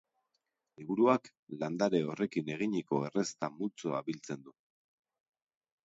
Liburuak landare horrekin eginiko errezeta multzoa biltzen du.